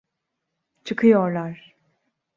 Çıkıyorlar.